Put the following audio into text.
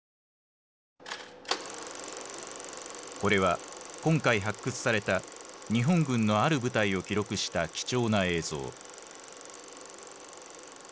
これは今回発掘された日本軍のある部隊を記録した貴重な映像。